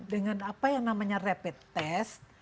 dengan apa yang namanya rapid test